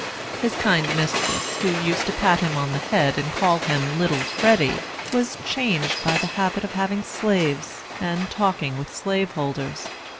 His kind mistress, who used to pat him on the head and call him "Little Freddy," was changed by the habit of having slaves and talking with slaveholders.